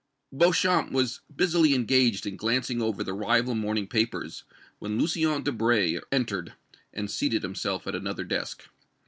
Beauchamp was busily engaged in glancing over the rival morning papers when Lucien Debray entered and seated himself at another desk.